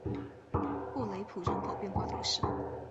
沃雷普人口变化图示